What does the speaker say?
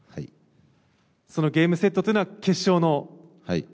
そのゲームセットというのははい、